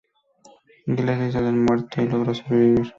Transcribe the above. Gila se hizo el muerto y logró sobrevivir.